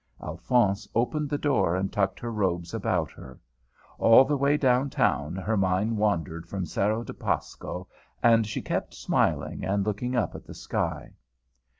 Alphonse opened the door and tucked her robes about her. All the way down town her mind wandered from Cerro de Pasco, and she kept smiling and looking up at the sky.